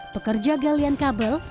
pekerja galian kabel